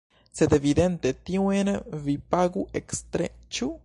Sed evidente tiujn vi pagu ekstre, ĉu?